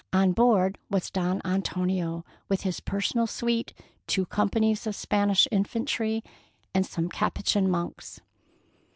On board was Don Antonio with his personal suite, two companies of Span ish infantry, and some Capuchin monks.